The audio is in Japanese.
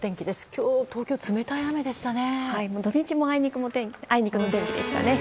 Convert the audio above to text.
今日、東京は冷たい雨でしたね。